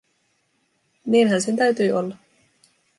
Niinhän sen täytyi olla!